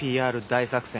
大作戦